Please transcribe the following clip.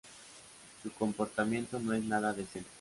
Su comportamiento no es nada decente.